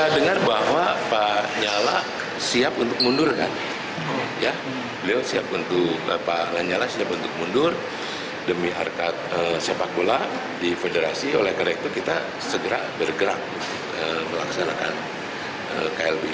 dengar bahwa pak lanyala siap untuk mundur demi harkat sepak bola di federasi oleh karyak kita segera bergerak melaksanakan klb